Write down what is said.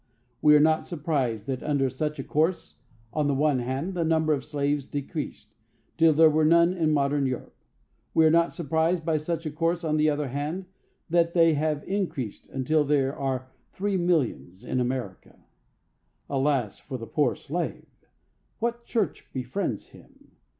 We are not surprised that under such a course, on the one hand, the number of slaves decreased, till there were none in modern Europe. We are not surprised by such a course, on the other hand, that they have increased until there are three millions in America. Alas for the poor slave! What church befriends him?